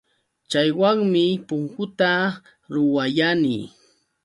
Chaywanmi punkuta ruwayani.